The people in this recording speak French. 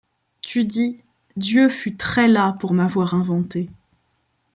Tu dis : Dieu fut très las pour m’avoir inventé